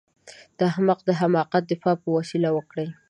د احمق د حماقت دفاع په وسيله وکړئ.